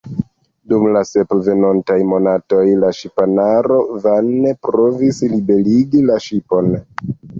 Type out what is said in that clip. Dum la sep venontaj monatoj la ŝipanaro vane provis liberigi la ŝipon.